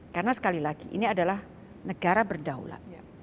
karena sekali lagi ini adalah negara berdaulat